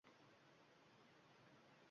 Nafsi deb tutildi olako‘z Moshga!